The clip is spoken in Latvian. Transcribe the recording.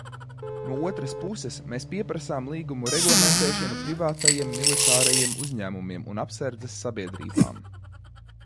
No otras puses, mēs pieprasām līgumu reglamentēšanu privātajiem militārajiem uzņēmumiem un apsardzes sabiedrībām.